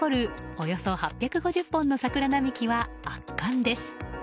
およそ８５０本の桜並木は圧巻です。